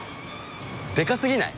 でか過ぎない？